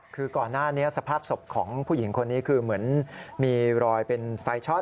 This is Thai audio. คือก่อนหน้านี้สภาพศพของผู้หญิงคนนี้คือเหมือนมีรอยเป็นไฟช็อต